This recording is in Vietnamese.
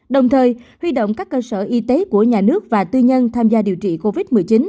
đồng thời huy động các cơ sở y tế của nhà nước và tư nhân tham gia điều trị covid một mươi chín